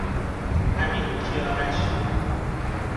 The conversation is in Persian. امیرکیارش